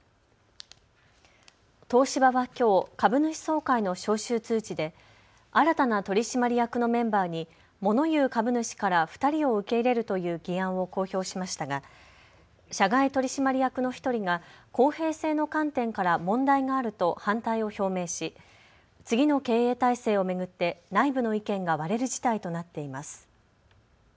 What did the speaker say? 東芝はきょう、株主総会の招集通知で新たな取締役のメンバーにモノ言う株主から２人を受け入れるという議案を公表しましたが社外取締役の１人が公平性の観点から問題があると反対を表明し、次の経営体制を巡って内部の意見が割れる事態となっています。